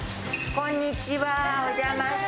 こんにちは。